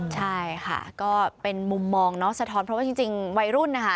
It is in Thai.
ใช่ค่ะก็เป็นมุมมองเนาะสะท้อนเพราะว่าจริงวัยรุ่นนะคะ